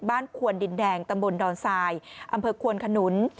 ควนดินแดงตำบลดอนทรายอำเภอควนขนุน